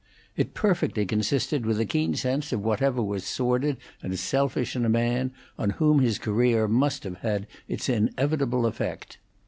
It perfectly consisted with a keen sense of whatever was sordid and selfish in a man on whom his career must have had its inevitable effect.